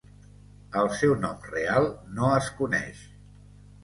El seu nom real no es coneix.